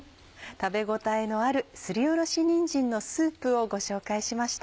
食べ応えのあるすりおろしにんじんのスープをご紹介しました。